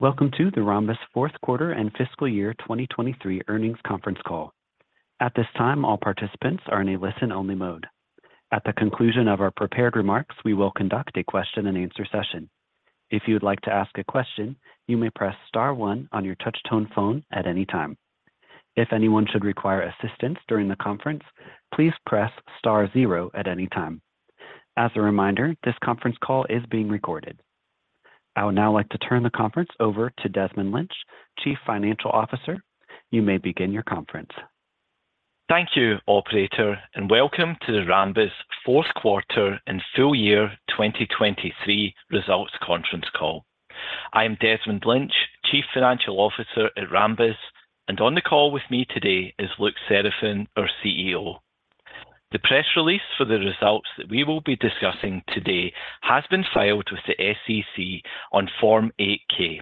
Welcome to the Rambus fourth quarter and fiscal year 2023 earnings conference call. At this time, all participants are in a listen-only mode. At the conclusion of our prepared remarks, we will conduct a question-and-answer session. If you would like to ask a question, you may press star one on your touch-tone phone at any time. If anyone should require assistance during the conference, please press star zero at any time. As a reminder, this conference call is being recorded. I would now like to turn the conference over to Desmond Lynch, Chief Financial Officer. You may begin your conference. Thank you, operator, and welcome to the Rambus fourth quarter and full year 2023 results conference call. I am Desmond Lynch, Chief Financial Officer at Rambus, and on the call with me today is Luc Seraphin, our CEO. The press release for the results that we will be discussing today has been filed with the SEC on Form 8-K.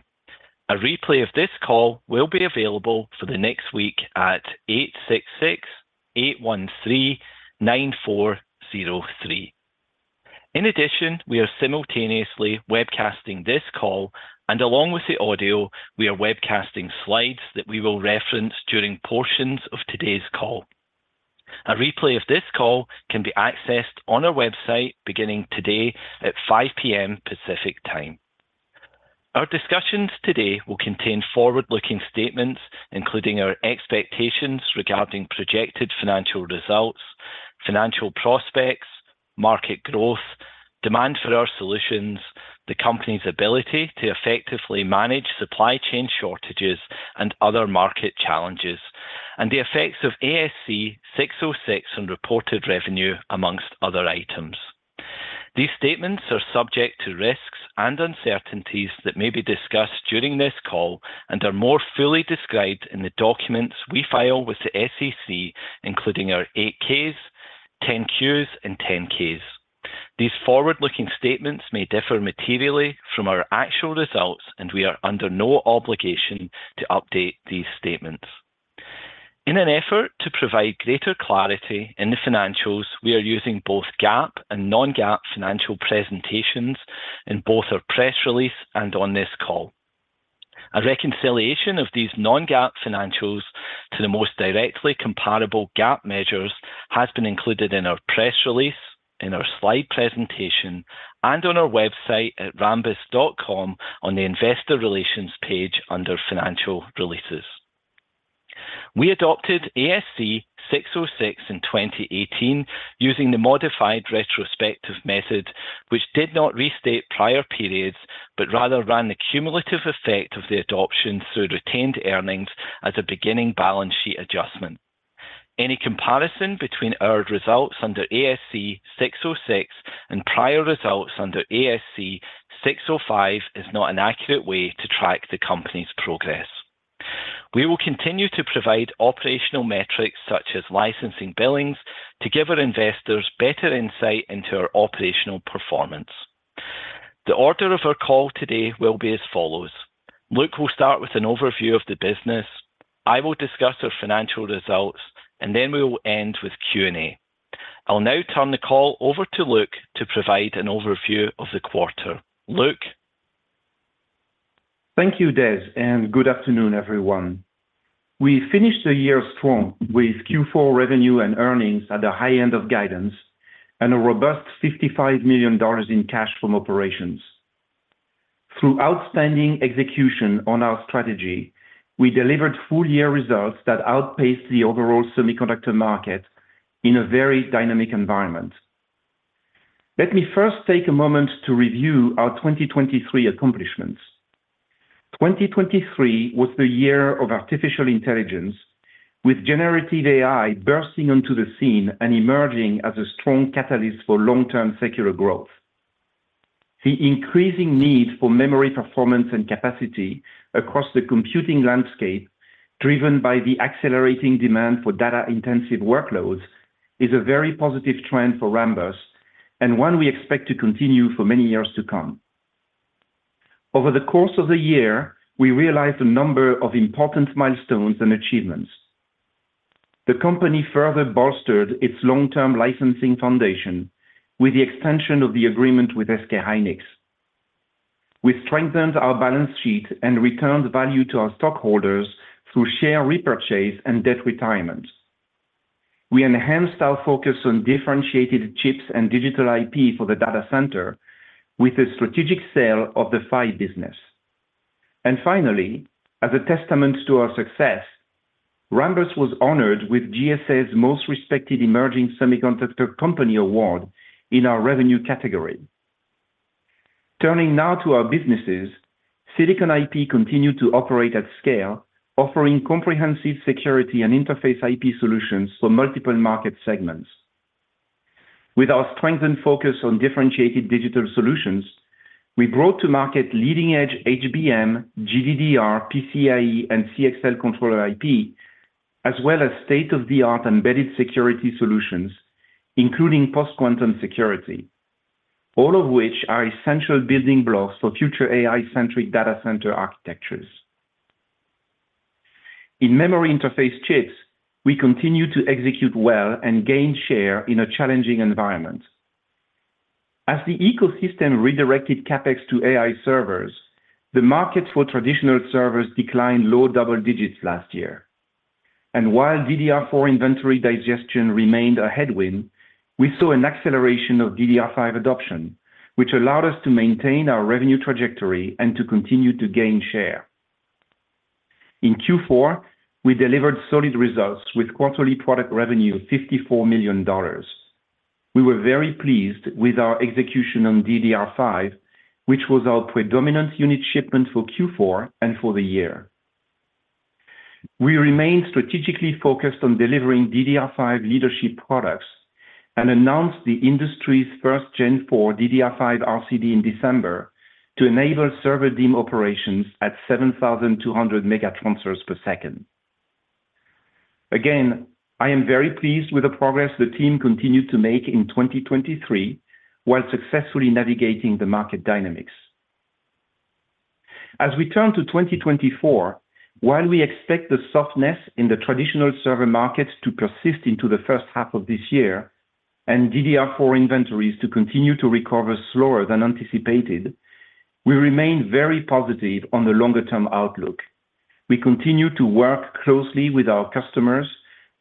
A replay of this call will be available for the next week at 866-813-9403. In addition, we are simultaneously webcasting this call, and along with the audio, we are webcasting slides that we will reference during portions of today's call. A replay of this call can be accessed on our website beginning today at 5 P.M. Pacific Time. Our discussions today will contain forward-looking statements, including our expectations regarding projected financial results, financial prospects, market growth, demand for our solutions, the company's ability to effectively manage supply chain shortages and other market challenges, and the effects of ASC 606 on reported revenue, among other items. These statements are subject to risks and uncertainties that may be discussed during this call and are more fully described in the documents we file with the SEC, including our 8-Ks, 10-Qs, and 10-Ks. These forward-looking statements may differ materially from our actual results, and we are under no obligation to update these statements. In an effort to provide greater clarity in the financials, we are using both GAAP and non-GAAP financial presentations in both our press release and on this call. A reconciliation of these non-GAAP financials to the most directly comparable GAAP measures has been included in our press release, in our slide presentation, and on our website at rambus.com on the Investor Relations page under Financial Releases. We adopted ASC 606 in 2018, using the modified retrospective method, which did not restate prior periods, but rather ran the cumulative effect of the adoption through retained earnings as a beginning balance sheet adjustment. Any comparison between our results under ASC 606 and prior results under ASC 605 is not an accurate way to track the company's progress. We will continue to provide operational metrics such as licensing billings to give our investors better insight into our operational performance. The order of our call today will be as follows: Luc will start with an overview of the business, I will discuss our financial results, and then we will end with Q&A. I'll now turn the call over to Luc to provide an overview of the quarter. Luc? Thank you, Des, and good afternoon, everyone. We finished the year strong with Q4 revenue and earnings at the high end of guidance and a robust $55 million in cash from operations. Through outstanding execution on our strategy, we delivered full-year results that outpaced the overall semiconductor market in a very dynamic environment. Let me first take a moment to review our 2023 accomplishments. 2023 was the year of artificial intelligence, with Generative AI bursting onto the scene and emerging as a strong catalyst for long-term secular growth. The increasing need for memory, performance, and capacity across the computing landscape, driven by the accelerating demand for data-intensive workloads, is a very positive trend for Rambus and one we expect to continue for many years to come. Over the course of the year, we realized a number of important milestones and achievements. The company further bolstered its long-term licensing foundation with the extension of the agreement with SK hynix. We strengthened our balance sheet and returned value to our stockholders through share repurchase and debt retirement. We enhanced our focus on differentiated chips and digital IP for the data center with a strategic sale of the PHY business. And finally, as a testament to our success, Rambus was honored with GSA's Most Respected Emerging Semiconductor Company Award in our revenue category. Turning now to our businesses, Silicon IP continued to operate at scale, offering comprehensive security and interface IP solutions for multiple market segments. With our strengthened focus on differentiated digital solutions, we brought to market leading-edge HBM, GDDR, PCIe, and CXL controller IP, as well as state-of-the-art embedded security solutions, including post-quantum security, all of which are essential building blocks for future AI-centric data center architectures. In memory interface chips, we continue to execute well and gain share in a challenging environment. As the ecosystem redirected CapEx to AI servers, the market for traditional servers declined low double digits last year. And while DDR4 inventory digestion remained a headwind, we saw an acceleration of DDR5 adoption, which allowed us to maintain our revenue trajectory and to continue to gain share. In Q4, we delivered solid results with quarterly product revenue $54 million. We were very pleased with our execution on DDR5, which was our predominant unit shipment for Q4 and for the year. We remain strategically focused on delivering DDR5 leadership products and announced the industry's first Gen 4 DDR5 RCD in December to enable server DIMM operations at 7,200 mega transfers per second. Again, I am very pleased with the progress the team continued to make in 2023 while successfully navigating the market dynamics. As we turn to 2024, while we expect the softness in the traditional server markets to persist into the first half of this year and DDR4 inventories to continue to recover slower than anticipated, we remain very positive on the longer-term outlook. We continue to work closely with our customers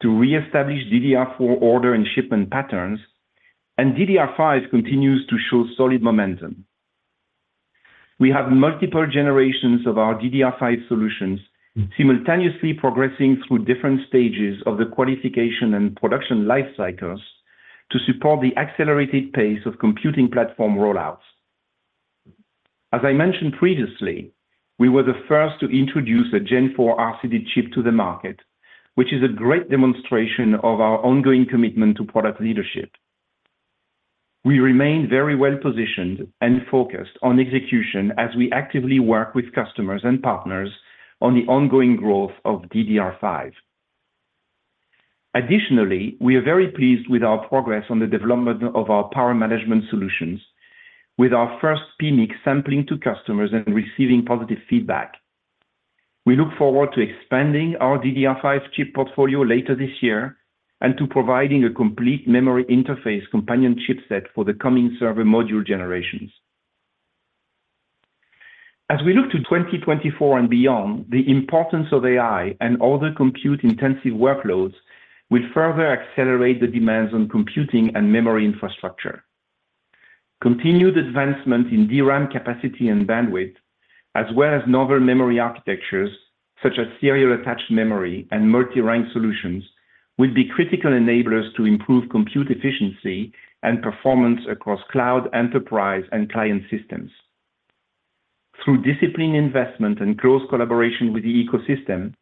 to reestablish DDR4 order and shipment patterns, and DDR5 continues to show solid momentum. We have multiple generations of our DDR5 solutions simultaneously progressing through different stages of the qualification and production life cycles to support the accelerated pace of computing platform rollouts. As I mentioned previously, we were the first to introduce a Gen 4 RCD chip to the market, which is a great demonstration of our ongoing commitment to product leadership. We remain very well-positioned and focused on execution as we actively work with customers and partners on the ongoing growth of DDR5. Additionally, we are very pleased with our progress on the development of our power management solutions with our first PMIC sampling to customers and receiving positive feedback. We look forward to expanding our DDR5 chip portfolio later this year and to providing a complete memory interface companion chipset for the coming server module generations. As we look to 2024 and beyond, the importance of AI and other compute-intensive workloads will further accelerate the demands on computing and memory infrastructure. Continued advancement in DRAM capacity and bandwidth, as well as novel memory architectures, such as serial-attached memory and multi-rank solutions, will be critical enablers to improve compute efficiency and performance across cloud, enterprise, and client systems. Through disciplined investment and close collaboration with the ecosystem,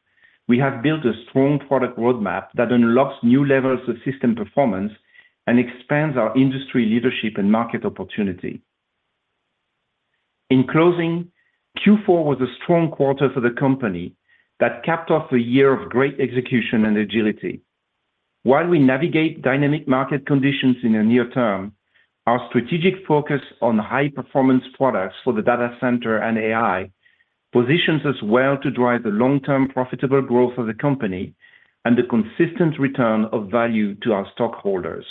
we have built a strong product roadmap that unlocks new levels of system performance and expands our industry leadership and market opportunity. In closing, Q4 was a strong quarter for the company that capped off a year of great execution and agility. While we navigate dynamic market conditions in the near term, our strategic focus on high-performance products for the data center and AI positions us well to drive the long-term profitable growth of the company and the consistent return of value to our stockholders.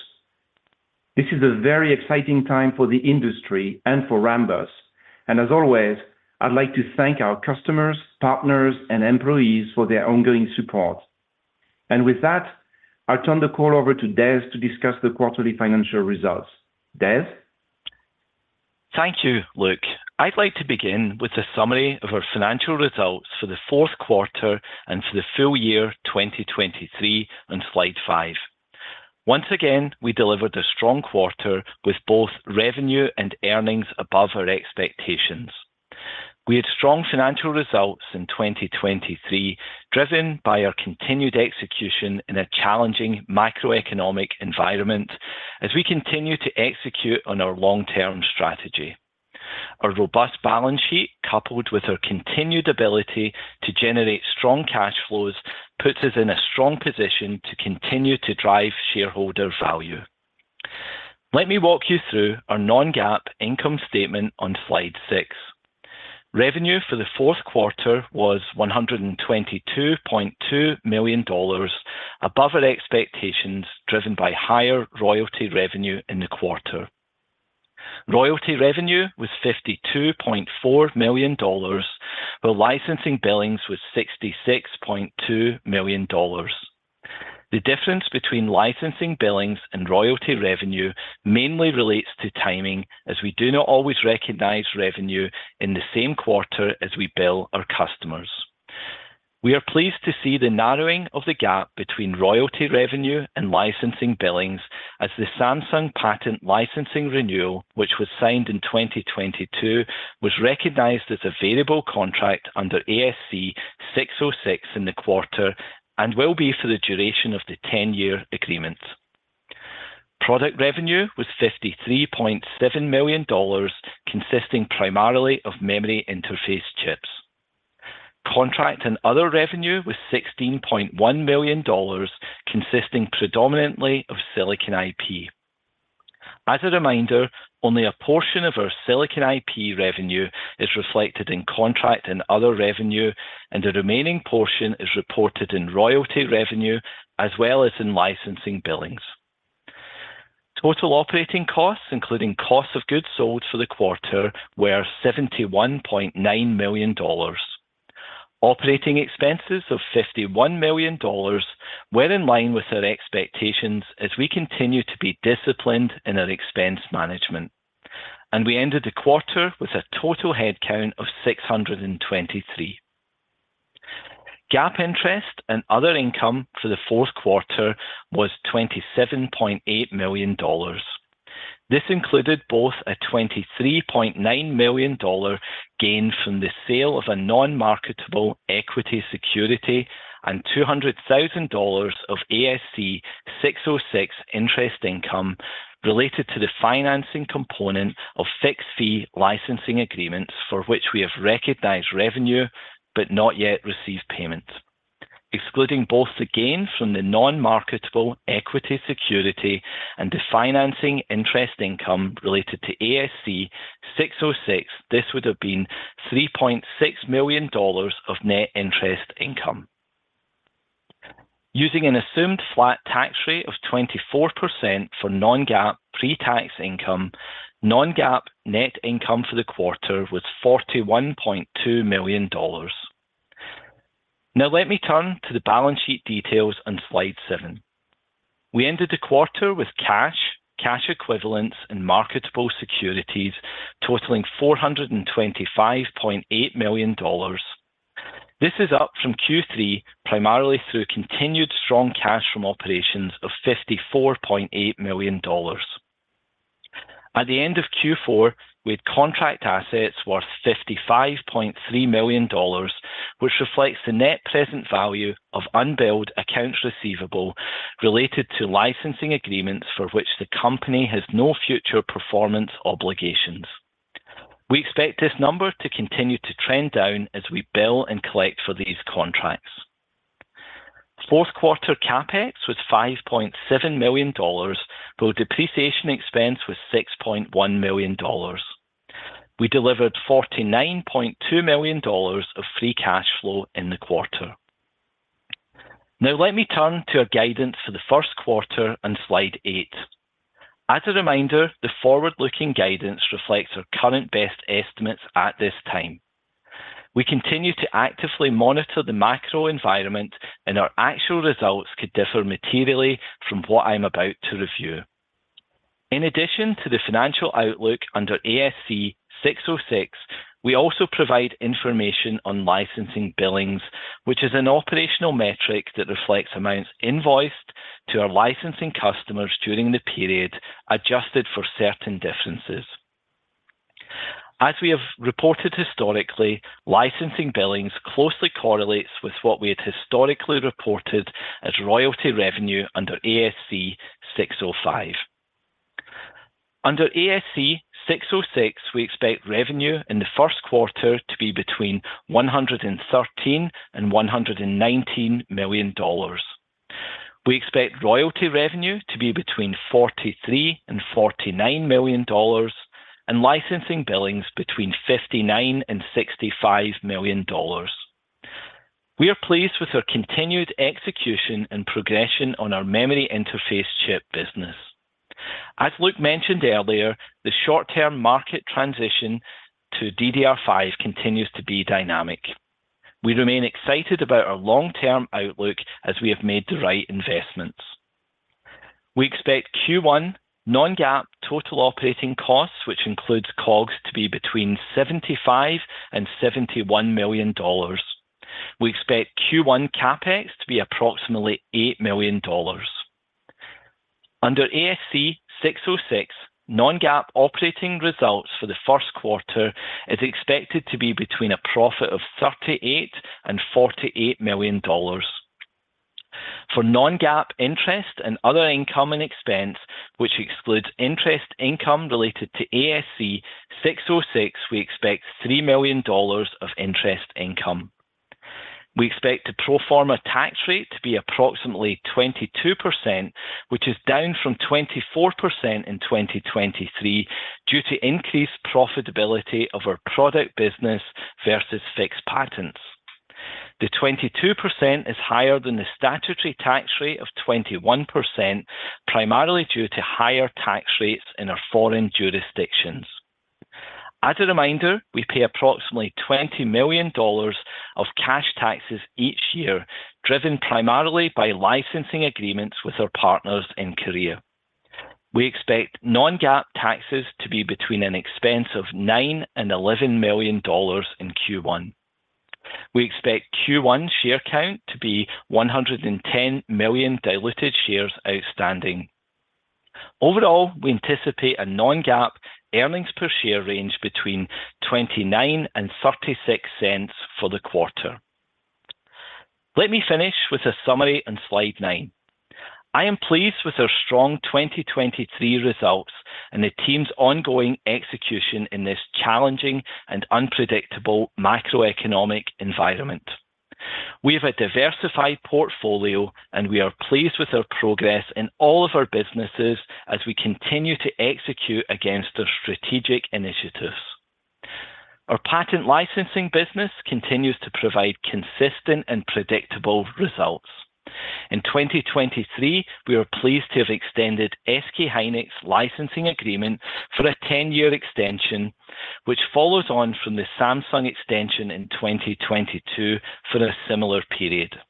This is a very exciting time for the industry and for Rambus, and as always, I'd like to thank our customers, partners, and employees for their ongoing support. And with that, I'll turn the call over to Des to discuss the quarterly financial results. Des? Thank you, Luc. I'd like to begin with a summary of our financial results for the fourth quarter and for the full year 2023 on slide 5. Once again, we delivered a strong quarter with both revenue and earnings above our expectations. We had strong financial results in 2023, driven by our continued execution in a challenging macroeconomic environment as we continue to execute on our long-term strategy. Our robust balance sheet, coupled with our continued ability to generate strong cash flows, puts us in a strong position to continue to drive shareholder value. Let me walk you through our non-GAAP income statement on slide six. Revenue for the fourth quarter was $122.2 million, above our expectations, driven by higher royalty revenue in the quarter. Royalty revenue was $52.4 million, while licensing billings was $66.2 million. The difference between licensing billings and royalty revenue mainly relates to timing, as we do not always recognize revenue in the same quarter as we bill our customers. We are pleased to see the narrowing of the gap between royalty revenue and licensing billings as the Samsung patent licensing renewal, which was signed in 2022, was recognized as a variable contract under ASC 606 in the quarter and will be for the duration of the 10-year agreement. Product revenue was $53.7 million, consisting primarily of memory interface chips. Contract and other revenue was $16.1 million, consisting predominantly of Silicon IP. As a reminder, only a portion of our Silicon IP revenue is reflected in contract and other revenue, and the remaining portion is reported in royalty revenue as well as in licensing billings. Total operating costs, including costs of goods sold for the quarter, were $71.9 million. Operating expenses of $51 million were in line with our expectations as we continue to be disciplined in our expense management, and we ended the quarter with a total headcount of 623. GAAP interest and other income for the fourth quarter was $27.8 million. This included both a $23.9 million gain from the sale of a non-marketable equity security and $200,000 of ASC 606 interest income related to the financing component of fixed-fee licensing agreements, for which we have recognized revenue but not yet received payment. Excluding both the gains from the non-marketable equity security and the financing interest income related to ASC 606, this would have been $3.6 million of net interest income. Using an assumed flat tax rate of 24% for non-GAAP pre-tax income, non-GAAP net income for the quarter was $41.2 million. Now, let me turn to the balance sheet details on slide seven. We ended the quarter with cash, cash equivalents, and marketable securities totaling $425.8 million. This is up from Q3, primarily through continued strong cash from operations of $54.8 million. At the end of Q4, we had contract assets worth $55.3 million, which reflects the net present value of unbilled accounts receivable related to licensing agreements for which the company has no future performance obligations. We expect this number to continue to trend down as we bill and collect for these contracts. Fourth quarter CapEx was $5.7 million, while depreciation expense was $6.1 million. We delivered $49.2 million of free cash flow in the quarter. Now let me turn to our guidance for the first quarter on slide eight. As a reminder, the forward-looking guidance reflects our current best estimates at this time. We continue to actively monitor the macro environment, and our actual results could differ materially from what I'm about to review. In addition to the financial outlook under ASC 606, we also provide information on licensing billings, which is an operational metric that reflects amounts invoiced to our licensing customers during the period, adjusted for certain differences. As we have reported historically, licensing billings closely correlate with what we had historically reported as royalty revenue under ASC 605. Under ASC 606, we expect revenue in the first quarter to be between $113 million and $119 million. We expect royalty revenue to be between $43 million and $49 million and licensing billings between $59 million and $65 million. We are pleased with our continued execution and progression on our memory interface chip business. As Luc mentioned earlier, the short-term market transition to DDR5 continues to be dynamic. We remain excited about our long-term outlook as we have made the right investments. We expect Q1 non-GAAP total operating costs, which includes COGS, to be between $75 million and $71 million. We expect Q1 CapEx to be approximately $8 million. Under ASC 606, non-GAAP operating results for the first quarter is expected to be between a profit of $38 million and $48 million. For non-GAAP interest and other income and expense, which excludes interest income related to ASC 606, we expect $3 million of interest income. We expect the pro forma tax rate to be approximately 22%, which is down from 24% in 2023 due to increased profitability of our product business versus fixed patents. The 22% is higher than the statutory tax rate of 21%, primarily due to higher tax rates in our foreign jurisdictions. As a reminder, we pay approximately $20 million of cash taxes each year, driven primarily by licensing agreements with our partners in Korea. We expect non-GAAP taxes to be between an expense of $9 million and $11 million in Q1. We expect Q1 share count to be 110 million diluted shares outstanding. Overall, we anticipate a non-GAAP earnings per share range between $0.29 and $0.36 for the quarter. Let me finish with a summary on slide 9. I am pleased with our strong 2023 results and the team's ongoing execution in this challenging and unpredictable macroeconomic environment. We have a diversified portfolio, and we are pleased with our progress in all of our businesses as we continue to execute against our strategic initiatives. Our patent licensing business continues to provide consistent and predictable results. In 2023, we are pleased to have extended SK hynix licensing agreement for a 10-year extension, which follows on from the Samsung extension in 2022 for a similar period.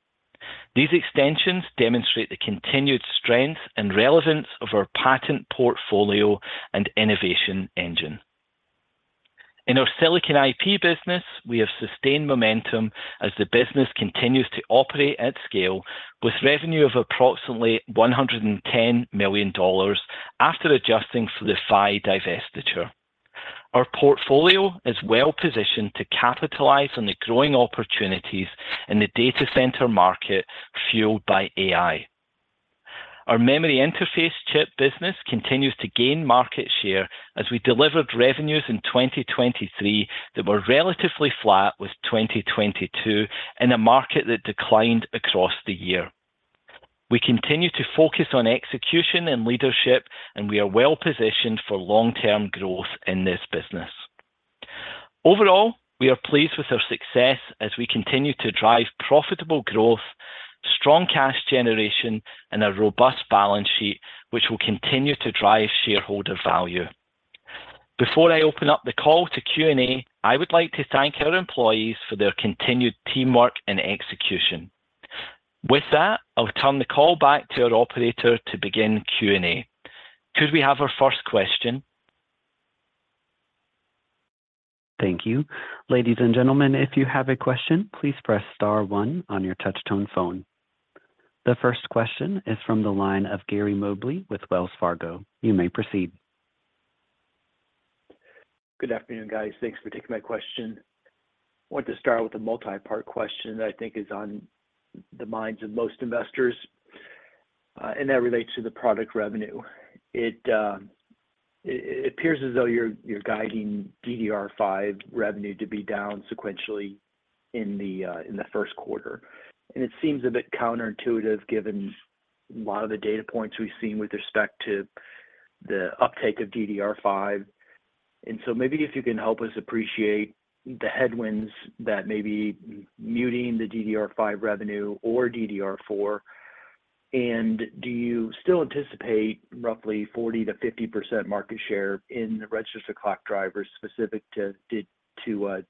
These extensions demonstrate the continued strength and relevance of our patent portfolio and innovation engine. In our Silicon IP business, we have sustained momentum as the business continues to operate at scale, with revenue of approximately $110 million after adjusting for the PHY divestiture. Our portfolio is well-positioned to capitalize on the growing opportunities in the data center market, fueled by AI. Our memory interface chip business continues to gain market share as we delivered revenues in 2023 that were relatively flat, with 2022 in a market that declined across the year. We continue to focus on execution and leadership, and we are well positioned for long-term growth in this business. Overall, we are pleased with our success as we continue to drive profitable growth, strong cash generation, and a robust balance sheet, which will continue to drive shareholder value. Before I open up the call to Q&A, I would like to thank our employees for their continued teamwork and execution. With that, I'll turn the call back to our operator to begin Q&A. Could we have our first question? Thank you. Ladies and gentlemen, if you have a question, please press star one on your touch-tone phone. The first question is from the line of Gary Mobley with Wells Fargo. You may proceed. Good afternoon, guys. Thanks for taking my question. I want to start with a multi-part question that I think is on the minds of most investors, and that relates to the product revenue. It appears as though you're guiding DDR5 revenue to be down sequentially in the first quarter, and it seems a bit counterintuitive, given a lot of the data points we've seen with respect to the uptake of DDR5. And so maybe if you can help us appreciate the headwinds that may be muting the DDR5 revenue or DDR4, and do you still anticipate roughly 40%-50% market share in the register clock drivers specific to DDR5?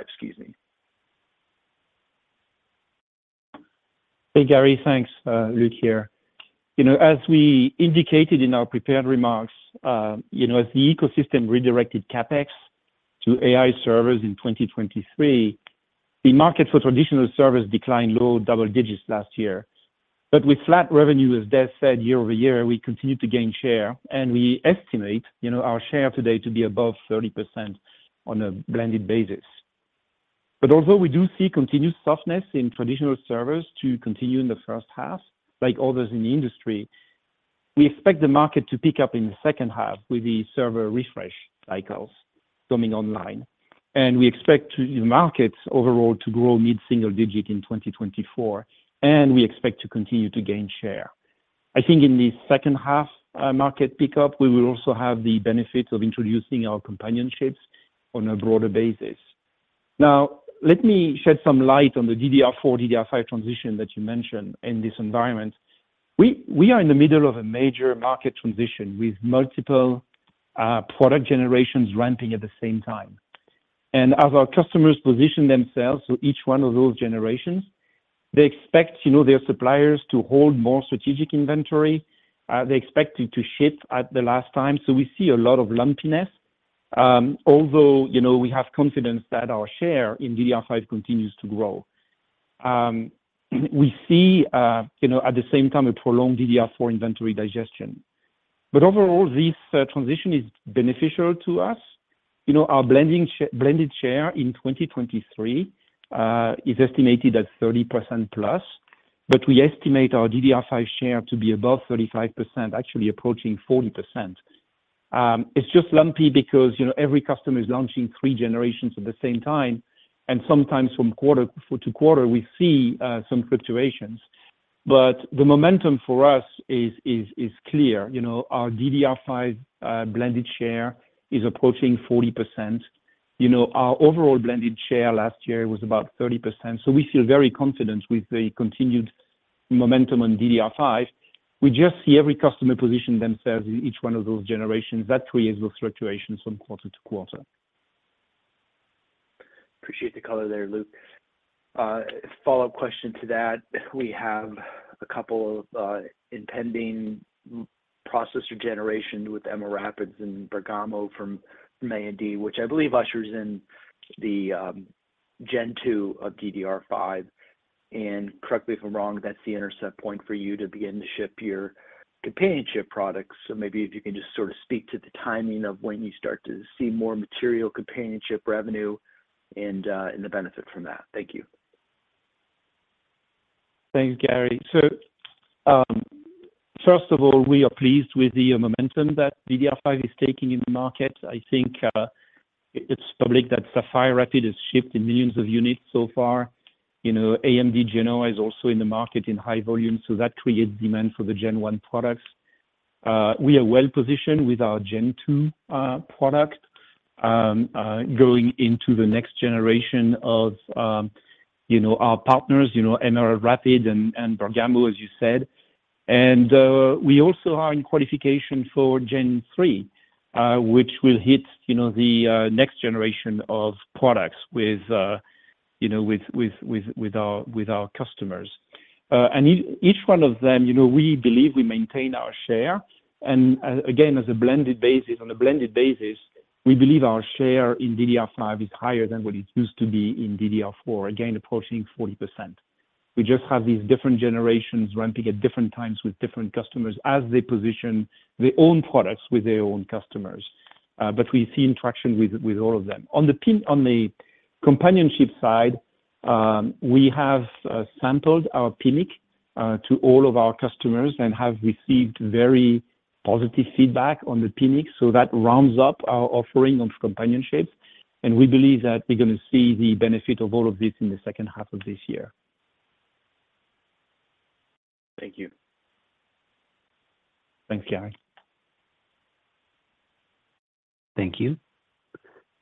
Excuse me. Hey, Gary. Thanks, Luc here. You know, as we indicated in our prepared remarks, you know, as the ecosystem redirected CapEx to AI servers in 2023, the market for traditional servers declined low-double digits last year. But with flat revenue, as Des said, year-over-year, we continued to gain share, and we estimate, you know, our share today to be above 30% on a blended basis. But although we do see continued softness in traditional servers to continue in the first half, like others in the industry, we expect the market to pick up in the second half with the server refresh cycles coming online, and we expect to, the markets overall to grow mid-single digit in 2024, and we expect to continue to gain share. I think in the second half, market pickup, we will also have the benefit of introducing our companion chips on a broader basis. Now, let me shed some light on the DDR4, DDR5 transition that you mentioned in this environment. We are in the middle of a major market transition with multiple product generations ramping at the same time. And as our customers position themselves, so each one of those generations, they expect, you know, their suppliers to hold more strategic inventory. They expect it to ship at the last time, so we see a lot of lumpiness. Although you know, we have confidence that our share in DDR5 continues to grow. We see, you know, at the same time, a prolonged DDR4 inventory digestion. But overall, this transition is beneficial to us. You know, our blended share in 2023 is estimated at 30%+, but we estimate our DDR5 share to be above 35%, actually approaching 40%. It's just lumpy because, you know, every customer is launching 3 generations at the same time, and sometimes from quarter to quarter, we see some fluctuations. But the momentum for us is clear. You know, our DDR5 blended share is approaching 40%. You know, our overall blended share last year was about 30%, so we feel very confident with the continued momentum on DDR5. We just see every customer position themselves in each one of those generations. That creates those fluctuations from quarter to quarter. Appreciate the color there, Luc. Follow-up question to that. We have a couple of impending processor generations with Emerald Rapids and Bergamo from AMD, which I believe ushers in the Gen 2 of DDR5. Correct me if I'm wrong, that's the inflection point for you to begin to ship your companion products. Maybe if you can just sort of speak to the timing of when you start to see more material companion revenue and the benefit from that. Thank you. Thanks, Gary. So, first of all, we are pleased with the momentum that DDR5 is taking in the market. I think, it's public that Sapphire Rapids has shipped in millions of units so far. You know, AMD Genoa is also in the market in high volume, so that creates demand for the Gen 1 products. We are well-positioned with our Gen 2 product, going into the next generation of, you know, our partners, you know, Emerald Rapids and Bergamo, as you said. And, we also are in qualification for Gen 3, which will hit, you know, the next generation of products, you know, with our customers. And eadch one of them, you know, we believe we maintain our share, and again, as a blended basis, on a blended basis, we believe our share in DDR5 is higher than what it used to be in DDR4, again, approaching 40%. We just have these different generations ramping at different times with different customers as they position their own products with their own customers, but we see interaction with all of them. On the companion chip side, we have sampled our PMIC to all of our customers and have received very positive feedback on the PMIC, so that rounds up our offering on companion chips, and we believe that we're going to see the benefit of all of this in the second half of this year. Thank you. Thanks, Gary. Thank you.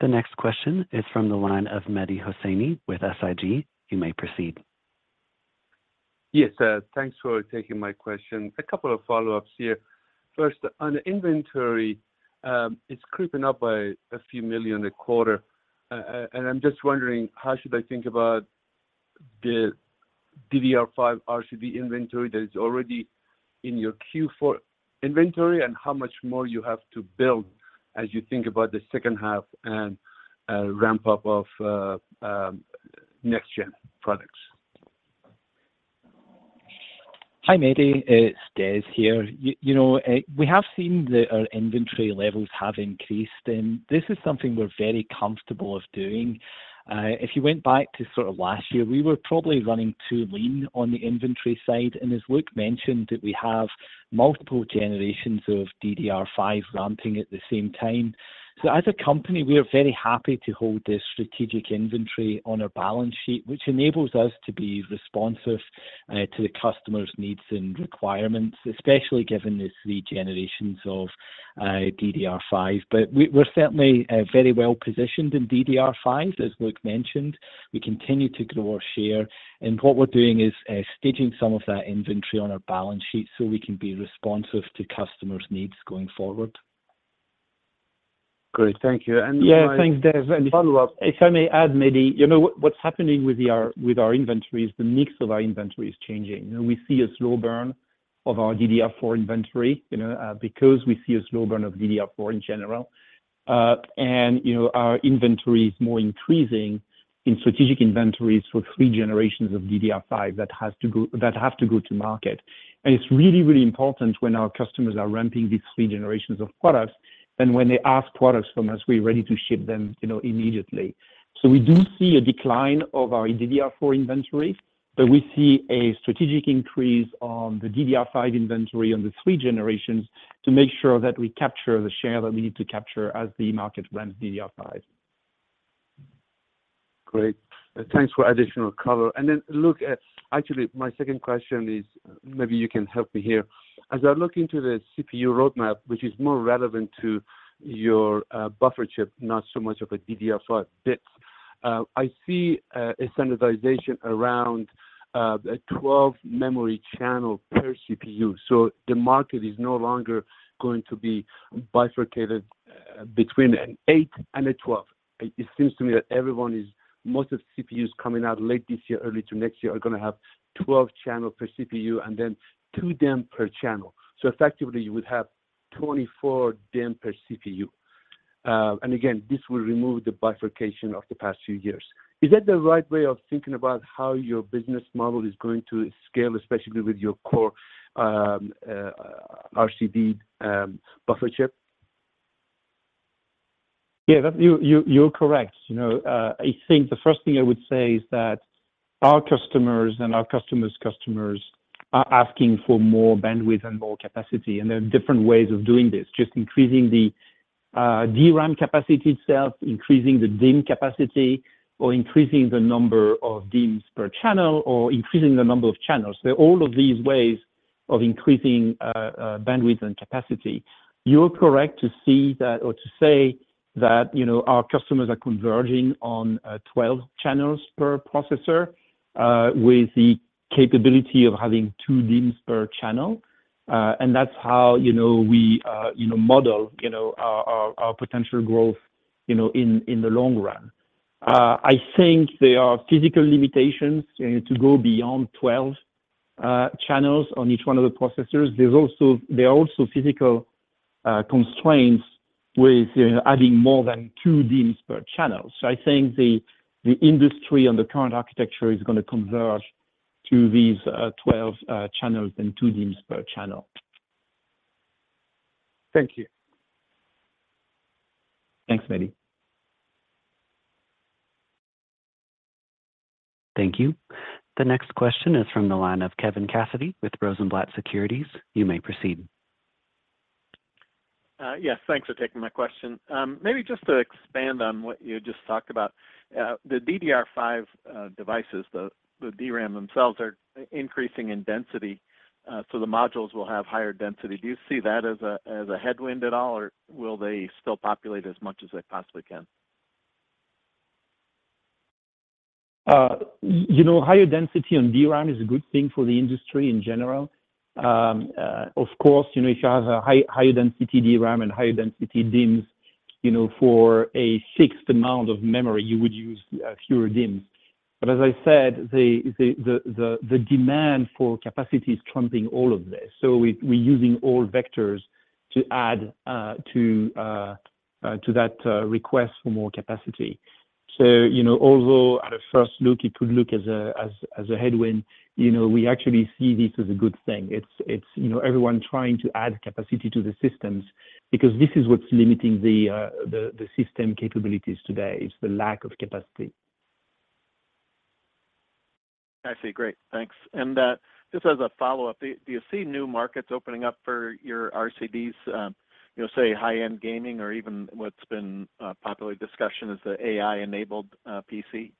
The next question is from the line of Mehdi Hosseini with SIG. You may proceed. Yes, thanks for taking my question. A couple of follow-ups here. First, on the inventory, it's creeping up by a few million a quarter, and I'm just wondering, how should I think about the DDR5 RCD inventory that is already in your Q4 inventory, and how much more you have to build as you think about the second half and ramp up of next gen products? Hi, Mehdi, it's Des here. You know, we have seen that our inventory levels have increased, and this is something we're very comfortable of doing. If you went back to sort of last year, we were probably running too lean on the inventory side, and as Luc mentioned, that we have multiple generations of DDR5 ramping at the same time. So as a company, we are very happy to hold this strategic inventory on our balance sheet, which enables us to be responsive to the customer's needs and requirements, especially given this three generations of DDR5. But we're certainly very well positioned in DDR5, as Luc mentioned. We continue to grow our share, and what we're doing is staging some of that inventory on our balance sheet so we can be responsive to customers' needs going forward. Great, thank you. Yeah, thanks, Des. Follow-up. If I may add, Mehdi, you know, what, what's happening with our inventory is the mix of our inventory is changing. We see a slow burn of our DDR4 inventory, you know, because we see a slow burn of DDR4 in general. And, you know, our inventory is more increasing in strategic inventories for three generations of DDR5 that has to go that have to go to market. And it's really, really important when our customers are ramping these three generations of products, and when they ask products from us, we're ready to ship them, you know, immediately. So we do see a decline of our DDR4 inventory, but we see a strategic increase on the DDR5 inventory on the three generations to make sure that we capture the share that we need to capture as the market ramps DDR5. Great. Thanks for additional color. And then, Luc, actually, my second question is, maybe you can help me here. As I look into the CPU roadmap, which is more relevant to your, buffer chip, not so much of a DDR5 bits, I see, a standardization around, a 12 memory channel per CPU. So the market is no longer going to be bifurcated, between an 8 and a 12. It seems to me that everyone is, most of CPUs coming out late this year, early to next year, are going to have 12 channel per CPU and then two DIMM per channel. So effectively, you would have 24 DIMMs per CPU. And again, this will remove the bifurcation of the past few years. Is that the right way of thinking about how your business model is going to scale, especially with your core RCD buffer chip? Yeah, that you're correct. You know, I think the first thing I would say is that our customers and our customers' customers are asking for more bandwidth and more capacity, and there are different ways of doing this. Just increasing the DRAM capacity itself, increasing the DIMM capacity, or increasing the number of DIMMs per channel, or increasing the number of channels. So all of these ways of increasing bandwidth and capacity, you're correct to see that or to say that, you know, our customers are converging on 12 channels per processor, with the capability of having two DIMMs per channel. And that's how, you know, we model our potential growth, you know, in the long run. I think there are physical limitations to go beyond 12 channels on each one of the processors. There are also physical constraints with adding more than two DIMMs per channel. So I think the industry and the current architecture is going to converge to these 12 channels and two DIMMs per channel. Thank you. Thanks, Mehdi. Thank you. The next question is from the line of Kevin Cassidy with Rosenblatt Securities. You may proceed. Yes, thanks for taking my question. Maybe just to expand on what you just talked about, the DDR5 devices, the DRAM themselves are increasing in density, so the modules will have higher density. Do you see that as a headwind at all, or will they still populate as much as they possibly can? You know, higher density on DRAM is a good thing for the industry in general. Of course, you know, if you have higher density DRAM and higher density DIMMs, you know, for a fixed amount of memory, you would use fewer DIMMs. But as I said, the demand for capacity is trumping all of this, so we're using all vectors to add to that request for more capacity. So, you know, although at a first look, it could look as a headwind, you know, we actually see this as a good thing. It's you know, everyone trying to add capacity to the systems because this is what's limiting the system capabilities today. It's the lack of capacity. I see. Great, thanks. And just as a follow-up, do you see new markets opening up for your RCDs, you know, say, high-end gaming, or even what's been a popular discussion is the AI-enabled PC?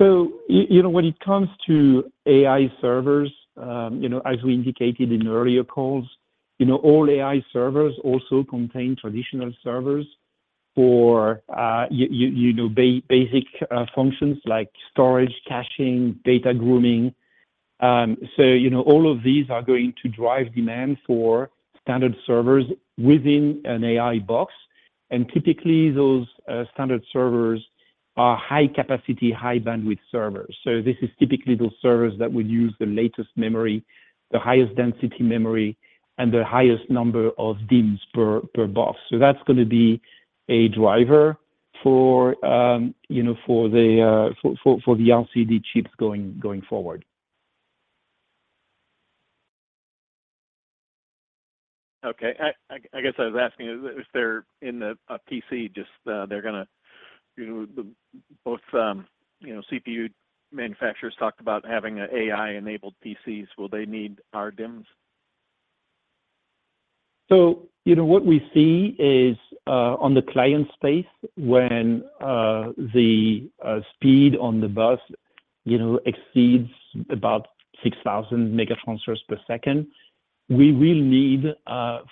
So, you know, when it comes to AI servers, you know, as we indicated in earlier calls, you know, all AI servers also contain traditional servers for, you know, basic functions like storage, caching, data grooming. So, you know, all of these are going to drive demand for standard servers within an AI box, and typically, those standard servers are high capacity, high bandwidth servers. So this is typically those servers that will use the latest memory, the highest density memory, and the highest number of DIMMs per box. So that's gonna be a driver for, you know, for the RCD chips going forward. Okay. I guess I was asking if they're in a PC, they're gonna, you know... Both, you know, CPU manufacturers talked about having AI-enabled PCs. Will they need our DIMMs? So, you know, what we see is, on the client space, when the speed on the bus, you know, exceeds about 6,000 mega transfers per second, we will need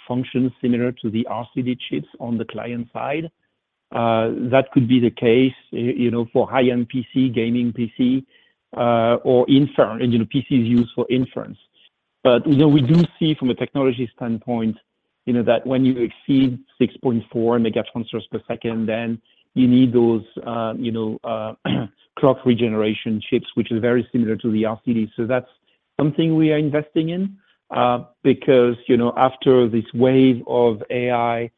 functions similar to the RCD chips on the client side. That could be the case, you know, for high-end PC, gaming PC, or inference, you know, PCs used for inference. But, you know, we do see from a technology standpoint, you know, that when you exceed 6.4 mega transfers per second, then you need those, you know, clock regeneration chips, which is very similar to the RCD. So that's something we are investing in, because, you know, after this wave of AI,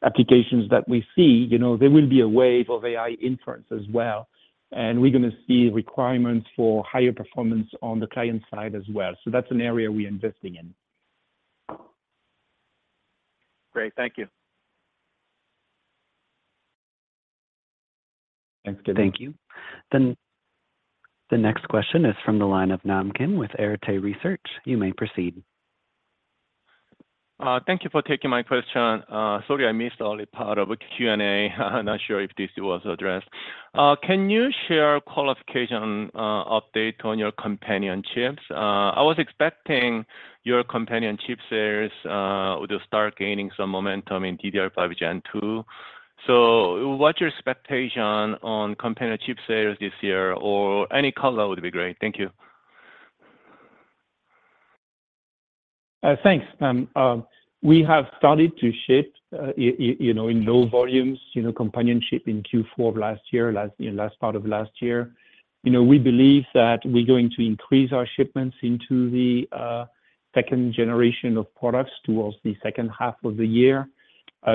training, applications that we see, you know, there will be a wave of AI inference as well, and we're gonna see requirements for higher performance on the client side as well. So that's an area we're investing in. Great. Thank you. Thanks, Kevin. Thank you. Then the next question is from the line of Nam Hyung Kim with Arete Research. You may proceed. Thank you for taking my question. Sorry, I missed the early part of the Q&A. Not sure if this was addressed. Can you share qualification update on your companion chips? I was expecting your companion chip sales would start gaining some momentum in DDR5 Gen 2. So what's your expectation on companion chip sales this year, or any color would be great. Thank you. Thanks, Nam. We have started to ship, you know, in low volumes, you know, companion chip in Q4 of last year, you know, last part of last year. You know, we believe that we're going to increase our shipments into the second generation of products towards the second half of the year.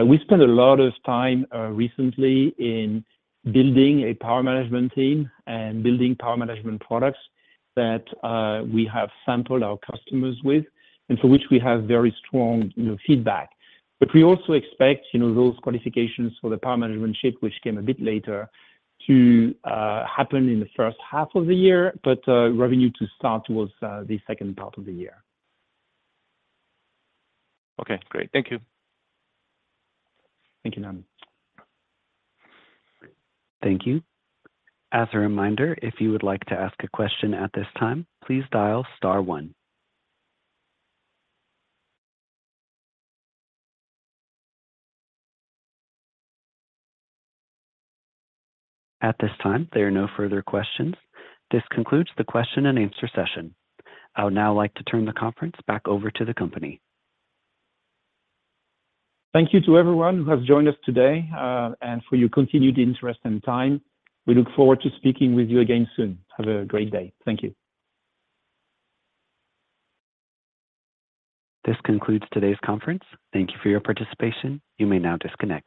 We spent a lot of time recently in building a power management team and building power management products that we have sampled our customers with, and for which we have very strong, you know, feedback. But we also expect, you know, those qualifications for the power management chip, which came a bit later, to happen in the first half of the year, but revenue to start towards the second part of the year. Okay, great. Thank you. Thank you, Nam. Thank you. As a reminder, if you would like to ask a question at this time, please dial star one. At this time, there are no further questions. This concludes the question-and-answer session. I would now like to turn the conference back over to the company. Thank you to everyone who has joined us today, and for your continued interest and time. We look forward to speaking with you again soon. Have a great day. Thank you. This concludes today's conference. Thank you for your participation. You may now disconnect.